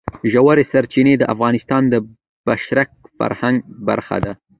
ژورې سرچینې د افغانستان د بشري فرهنګ برخه ده.